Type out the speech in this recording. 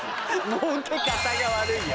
もうけ方が悪いよ。